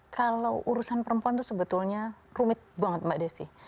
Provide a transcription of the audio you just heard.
kalau urusan perempuan itu sebetulnya rumit banget mbak desi